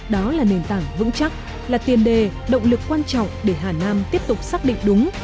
đó là nền tảng vững chắc là tiền đề động lực quan trọng để hà nam tiếp tục xác định đúng